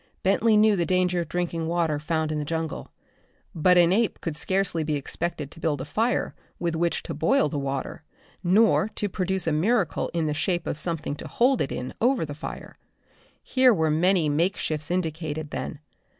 Bentley knew the danger of drinking water found in the jungle but an ape could scarcely be expected to build a fire with which to boil the water, nor to produce a miracle in the shape of something to hold it in over the fire. Here were many makeshifts indicated, then.